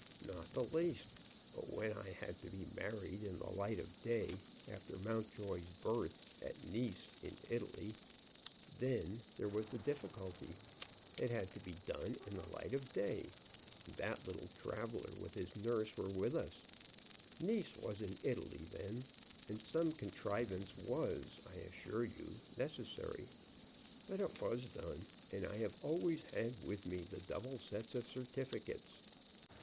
"Not the least. But when I had to be married in the light of day, after Mountjoy's birth, at Nice, in Italy, then there was the difficulty. It had to be done in the light of day; and that little traveller with his nurse were with us. Nice was in Italy then, and some contrivance was, I assure you, necessary. But it was done, and I have always had with me the double sets of certificates.